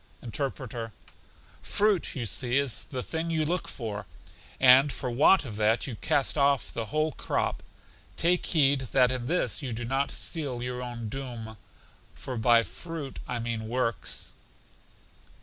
Interpreter: Fruit, you see, is the thing you look for, and for want of that you cast off the whole crop. Take heed that in this you do not seal your own doom; for by fruit I mean works.